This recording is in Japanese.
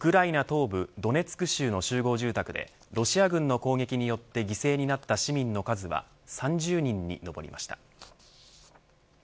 東部ドネツク州の集合住宅でロシア軍の攻撃によって犠牲になった市民の数は３０人に上りました。